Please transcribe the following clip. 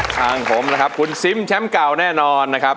ข้างผมคุณซิมแชมป์เก่าแน่นอนนะครับ